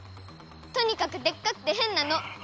とにかくでっかくてへんなの！